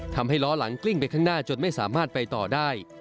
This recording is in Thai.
ทำให้ล้อหลังกลิ้งไปข้างหน้าจนไม่สามารถไปต่อได้